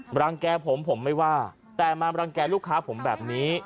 รังแก่ผมผมไม่ว่าแต่มารังแก่ลูกค้าผมแบบนี้